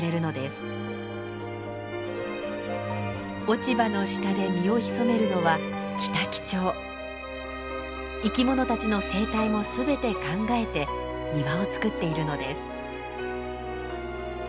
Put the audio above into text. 落ち葉の下で身を潜めるのは生き物たちの生態も全て考えて庭をつくっているのです。